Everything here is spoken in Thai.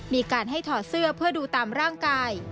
มีการให้ถอดเสื้อเพื่อดูตามร่างกาย